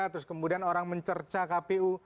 terus kemudian orang mencerca kpu